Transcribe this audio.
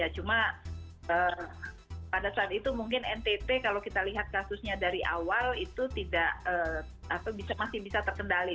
cuma pada saat itu mungkin ntt kalau kita lihat kasusnya dari awal itu tidak masih bisa terkendali